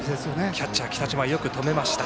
キャッチャー、北島よく止めました。